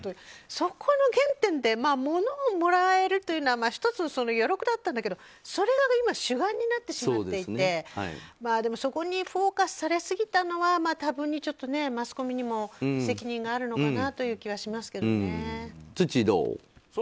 そこの原点で物をもらえるというのは１つの余力だったんだけどそれが今主眼になってしまっていてそこにフォーカスされすぎたのは多分にマスコミにも責任があるのかなツッチー、どう？